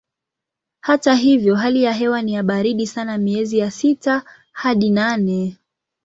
Hata hivyo hali ya hewa ni ya baridi sana miezi ya sita hadi nane.